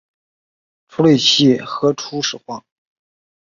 处理器核初始化